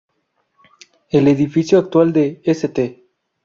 El edificio actual de St.